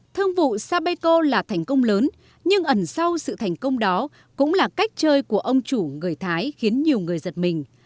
thương vụ sapeco là thành công lớn nhưng ẩn sau sự thành công đó cũng là cách chơi của ông chủ người thái khiến nhiều người giật mình